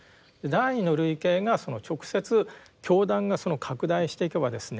第二の類型がその直接教団が拡大していけばですね